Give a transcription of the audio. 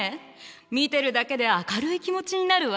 見てるだけで明るい気持ちになるわ。